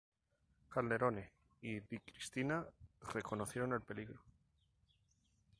Calderone y Di Cristina reconocieron el peligro.